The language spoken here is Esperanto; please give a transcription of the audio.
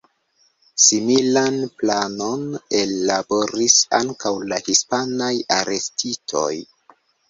Similan planon ellaboris ankaŭ la hispanaj arestitoj.